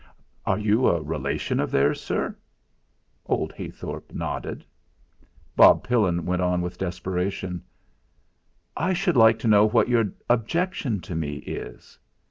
"Are you a relation of theirs, sir?" Old Heythorp nodded. Bob Pillin went on with desperation: "I should like to know what your objection to me is."